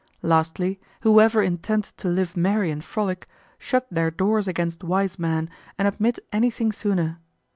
Lastly, whoever intend to live merry and frolic, shut their doors against wise men and admit anything sooner.